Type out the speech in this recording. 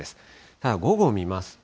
ただ、午後を見ますと。